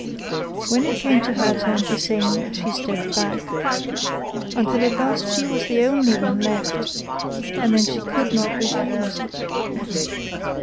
When it came to her turn to sing, she stepped back, until at last she was the only one left, and then she could not refuse.